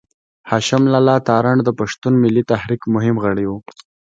هاشم لالا تارڼ د پښتون ملي تحريک مهم غړی و.